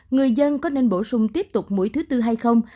người dân có nên bổ sung tiếp tục mũi thứ tư hay không